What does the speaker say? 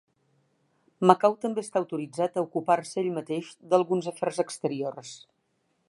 Macau també està autoritzat a ocupar-se ell mateix d'alguns afers exteriors.